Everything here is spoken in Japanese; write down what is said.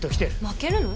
負けるの？